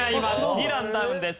２段ダウンです。